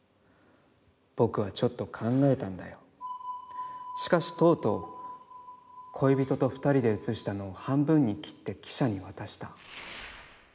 僕はちょっと考えたんだよ、しかしとうとう、恋人と二人で写したのを半分に切って記者に渡した」。